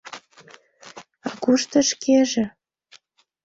А кушто шкеже?